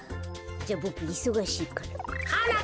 じゃあボクいそがしいから。